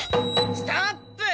ストップ！